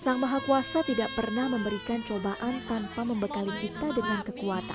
sang maha kuasa tidak pernah memberikan cobaan tanpa membekali kita dengan kekuatan